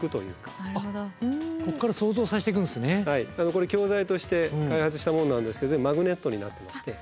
これ教材として開発したものなんですが全部マグネットになってまして。